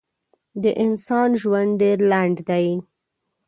د انسان ژوند ډېر لنډ دی.